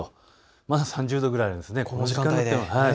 まだ３０度ぐらいあるんですね。